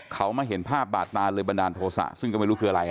เขามาเห็นภาพบาดตาเลยบันดาลโทษะซึ่งก็ไม่รู้คืออะไร